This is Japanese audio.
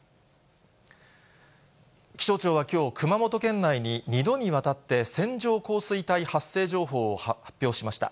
気象庁はきょう、熊本県内に２度にわたって線状降水帯発生情報を発表しました。